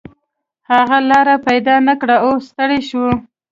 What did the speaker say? هغه لاره پیدا نه کړه او ستړی شو.